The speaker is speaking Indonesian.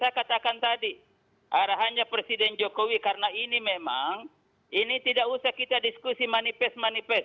saya katakan tadi arahannya presiden jokowi karena ini memang ini tidak usah kita diskusi manifest manifest